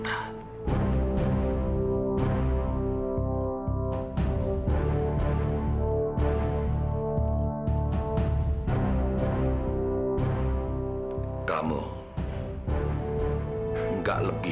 tetaplah umaseng dengan saya